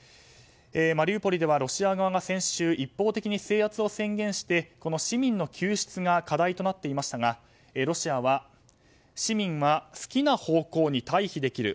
マリウポリではロシア側が先週、一方的に制圧を宣言して市民の救出が課題となっていましたがロシアは、市民は好きな方向に退避できる。